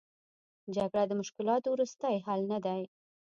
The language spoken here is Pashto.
جګړه د مشکلاتو وروستۍ حل نه دی.